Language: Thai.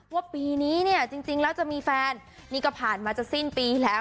ว่าปีนี้เนี่ยจริงแล้วจะมีแฟนนี่ก็ผ่านมาจะสิ้นปีแล้ว